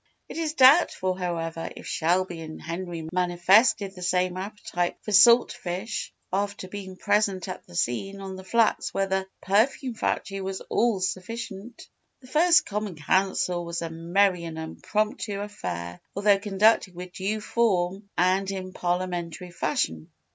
It is doubtful however, if Shelby and Henry manifested the same appetite for salt fish after being present at the scene on the flats where the "perfume factory" was all sufficient. The first Common Council was a merry and impromptu affair although conducted with due form and in parliamentary fashion.